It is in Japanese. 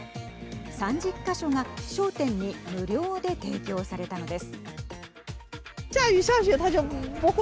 ３０か所が商店に無料で提供されたのです。